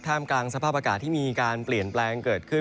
กลางสภาพอากาศที่มีการเปลี่ยนแปลงเกิดขึ้น